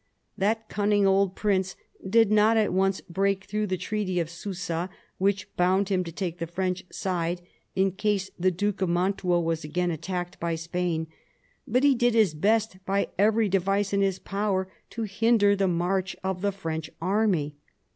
That cunning old prince did not at once break through the Treaty of Susa, which bound him to take the French side in case the Duke of Mantua was again attacked by Spain; but he did his best, by every device in his power, to hinder the march of the French army.